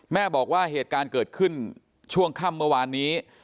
แม่บอกว่าเหตุการณ์เกิดขึ้นช่วงค่ำเมื่อวานนี้